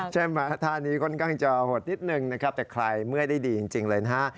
ใช่ไหมท่านี้ค่อนข้างจะหดนิดหนึ่งนะครับแต่คลายเมื่อยได้ดีจริงจริงเลยนะฮะ